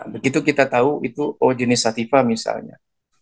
begitu kita tahu itu oh jenis satifah misalnya